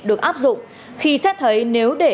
được áp dụng khi xét thấy nếu để